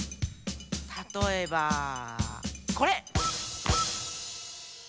たとえばこれ。